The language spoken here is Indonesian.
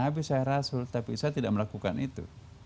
saya nabi saya rasul tapi saya tidak melakukan seperti itu